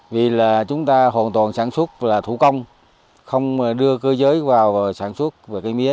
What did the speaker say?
vì là chúng ta hoàn toàn sản xuất là thủ công không đưa cơ giới vào sản xuất về cây mía